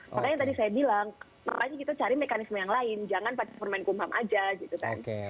makanya tadi saya bilang makanya kita cari mekanisme yang lain jangan pakai permen kumham aja gitu kan